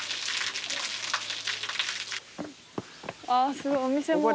あっすごいお店も。